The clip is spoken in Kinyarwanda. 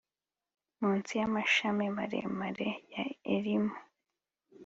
Munsi yamashami maremare ya elimu